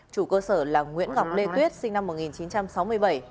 chủ cơ sở là nguyễn ngọc lê tuyết sinh năm một nghìn chín trăm sáu mươi bảy